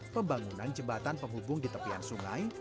pembangunan jembatan penghubung di tepian sungai